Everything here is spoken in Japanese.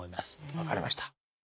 分かりました。